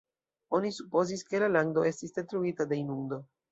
Oni supozis ke la lando estis detruita de inundo.